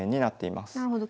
なるほど。